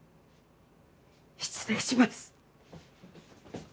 失礼します。